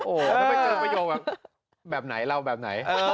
โอ้โหถ้าไปเจอประโยคแบบไหนเราแบบไหน